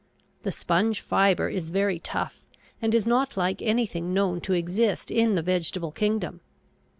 The sponge fiber is very tough and is not like anything known to exist in the vegetable kingdom.